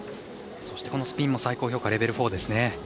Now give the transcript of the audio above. そしてスピンも最高評価レベル４です。